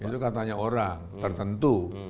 itu katanya orang tertentu